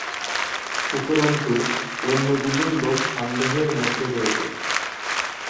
উপরন্তু, অন্য দুজন লোক সন্দেহের মধ্যে রয়েছে।